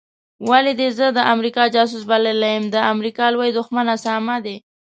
ولي دي زه د امریکا جاسوس بللی یم د امریکا لوی دښمن اسامه دی